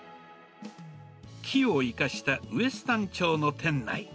木を生かしたウエスタン調の店内。